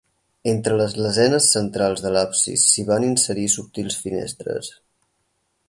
Entre les lesenes centrals de l'absis s'hi van inserir subtils finestres.